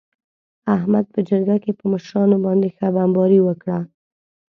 احمد په جرگه کې په مشرانو باندې ښه بمباري وکړه.